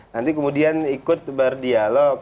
nanti kemudian ikut berdialog